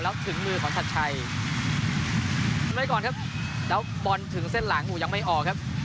แล้วถึงมือของชัดชัยทำไมก่อนครับแล้วบอลถึงเส้นหลังหูยังไม่ออกครับ